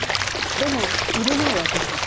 でも売れない私たち。